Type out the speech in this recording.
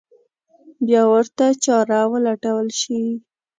بیا ورته چاره ولټول شي.